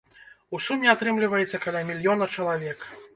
У суме атрымліваецца каля мільёна чалавек.